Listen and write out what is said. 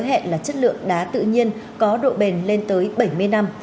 có thể là chất lượng đá tự nhiên có độ bền lên tới bảy mươi năm